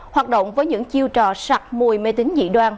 hoạt động với những chiêu trò sặc mùi mê tính dị đoan